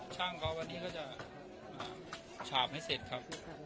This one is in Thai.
ช่างเขาจะฉากให้เสร็จครับ